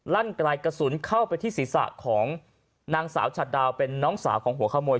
ั่นไกลกระสุนเข้าไปที่ศีรษะของนางสาวฉัดดาวเป็นน้องสาวของหัวขโมย